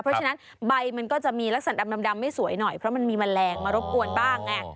เพราะฉะนั้นใบมันก็จะมีลักษณะดำไม่สวยหน่อยเพราะมันมีแมลงมารบกวนบ้างไง